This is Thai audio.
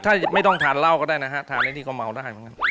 ถ้าไม่ต้องทานเหล้าก็ได้นะฮะทานได้นี่ก็เมาได้เหมือนกัน